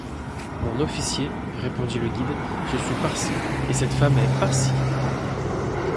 Mon officier, répondit le guide, je suis Parsi, et cette femme est Parsie.